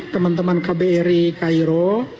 teman teman kbri cairo